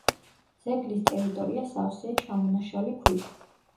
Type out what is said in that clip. ძეგლის ტერიტორია სავსეა ჩამონაშალი ქვით.